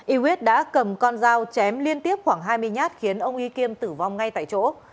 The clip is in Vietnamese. y quyết đã cầm con dao chém liên tiếp khoảng hai mươi nhát khiến ông y kim tủ vong ngay tại chỗ